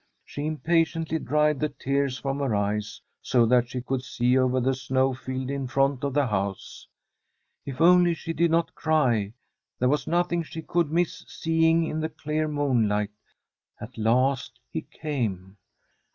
She impatiently dried the tears from her eyes, so that she could see over the snowfield in front of the house. If only she did not cry, there was nothing she could miss seeing in the clear moonlight At last he came.